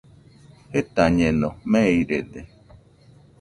Jetañeno, meirede.